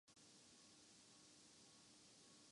یہاں ہر آدمی